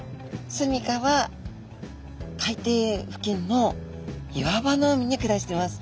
住みかは海底付近の岩場の海に暮らしてます。